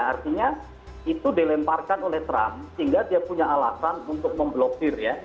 artinya itu dilemparkan oleh trump sehingga dia punya alasan untuk memblokir ya